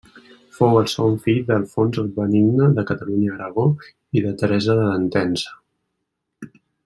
Fou el segon fill d'Alfons el Benigne de Catalunya-Aragó i de Teresa d'Entença.